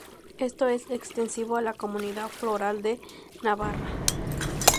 Esto es extensivo a la Comunidad Foral de Navarra.